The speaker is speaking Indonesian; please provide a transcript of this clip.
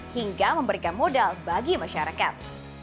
hingga memberikan modal bagi masyarakat